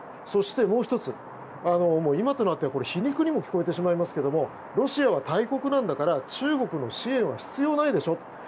そして、もう１つ今となっては皮肉にも聞こえてしまいますがロシアは大国なんだから中国の支援は必要ないでしょ